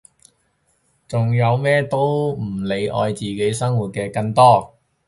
仲有咩都唔理愛自己生活嘅更多！